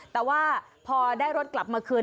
แต่ว่าพอได้รถกลับมาคืน